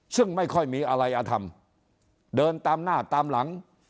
ซึ่งไม่ค่อยมีอะไรอธรรมเดินตามหน้าตามหลัง